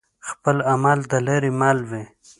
خپل عمل د لاري مل وي